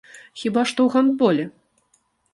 Хіба што ў гандболе.